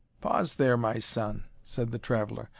"Pause there, my son," said the traveller.